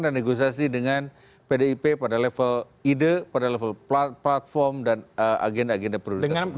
negosiasi dengan pdip pada level ide pada level platform dan agenda agenda prioritas